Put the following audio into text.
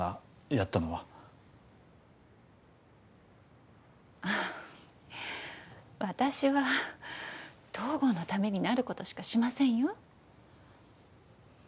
やったのはあっ私は東郷のためになることしかしませんよ